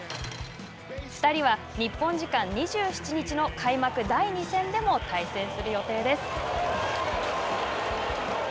２人は日本時間２７日の開幕第２戦でも対戦する予定です。